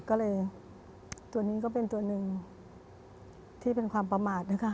ก็เลยตัวนี้ก็เป็นตัวหนึ่งที่เป็นความประมาทนะคะ